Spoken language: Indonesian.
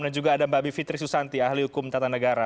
dan juga ada mbak bivitri susanti ahli hukum tata negara